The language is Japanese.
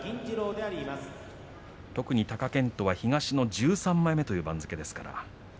特に貴健斗は東の１３枚目という番付です。